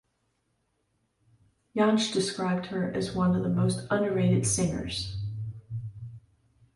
Jansch described her as "one of the most underrated singers".